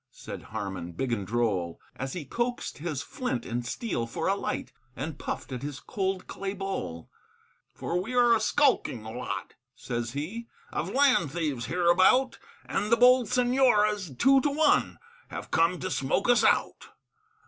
Said Harman, big and droll, As he coaxed his flint and steel for a light, And puffed at his cold clay bowl; "For we are a skulking lot," says he, "Of land thieves hereabout, And the bold señores, two to one, Have come to smoke us out."